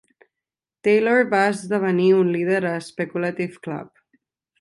Taylor va esdevenir un líder a Speculative Club.